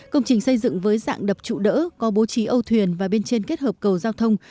công trình xây dựng với dạng đập trụ đỡ có bố trí âu thuyền và bên trên kết hợp cầu giao thông